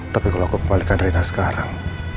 tapi kalau aku kembalikan rina sekarang